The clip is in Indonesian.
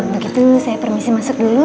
pak kalau begitu saya permisi masuk dulu